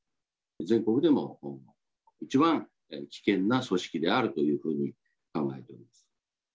全国でも、一番危険な組織であるというふうに考えております。